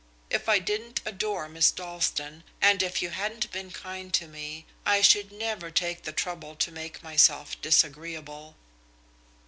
If I didn't adore Miss Dalstan, and if you hadn't been kind to me, I should never take the trouble to make myself disagreeable."